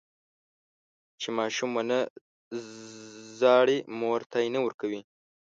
چې ماشوم ونه زړي، مور تی نه ورکوي.